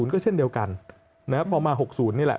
ก็เช่นเดียวกันพอมา๖๐นี่แหละ